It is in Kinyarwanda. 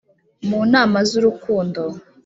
mu nama z’urukundo